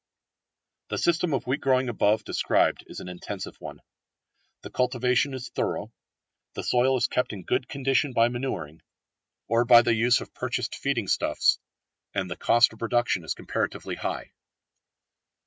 The system of wheat growing above described is an intensive one. The cultivation is thorough, the soil is kept in good condition by manuring, or by the use of purchased feeding stuffs, and the cost of production is comparatively high.